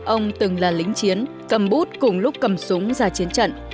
ông từng là lính chiến cầm bút cùng lúc cầm súng ra chiến trận